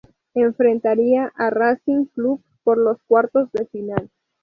Enfrentaría a Racing Club por los cuartos de final.